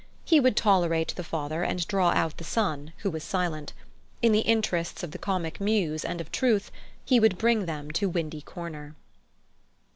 He would tolerate the father and draw out the son, who was silent. In the interests of the Comic Muse and of Truth, he would bring them to Windy Corner.